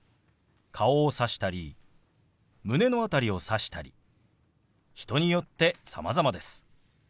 顔をさしたり胸の辺りをさしたり人によってさまざまです。